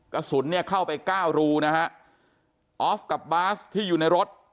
กระสุนเนี่ยเข้าไปเก้ารูนะฮะออฟกับบาสที่อยู่ในรถ